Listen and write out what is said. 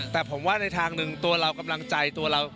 แต่ผมว่าในทางหนึ่งตัวเรากำลังใจตัวเรา